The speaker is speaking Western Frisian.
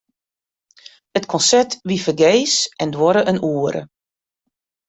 It konsert wie fergees en duorre in oere.